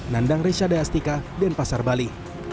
nandang resha deastika dan pasar bali